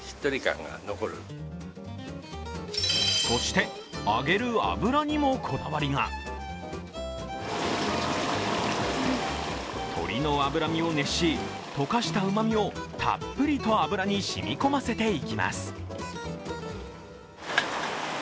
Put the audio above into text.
そして、揚げる油にもこだわりが鶏の脂身を熱し、溶かしたうまみをたっぷりと油に染み込ませていきます。